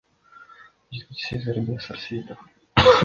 Жетекчиси — Зайырбек Сарсеитов.